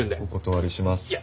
お断りします。